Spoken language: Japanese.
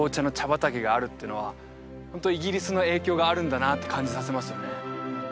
畑があるっていうのはホントイギリスの影響があるんだなって感じさせますよね